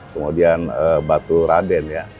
kemudian batu raden ya